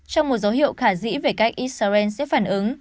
trong một dấu hiệu khả dĩ về cách israel sẽ phản ứng